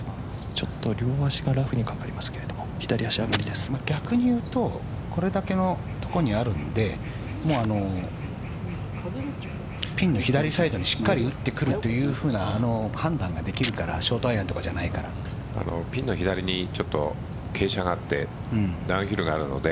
ちょっと両足がラフにかかりますけれども逆に言うと、これだけあるのでもうピンの左サイドにしっかり打ってくるというような判断ができるからショートアイアンとかじゃピンの左にちょっと傾斜があってダウンヒルがあるので。